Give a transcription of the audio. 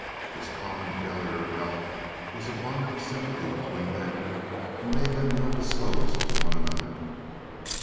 This common failure of health was a bond of sympathy between them, and made them well disposed to one another.